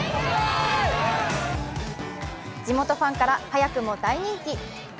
地元ファンから、早くも大人気。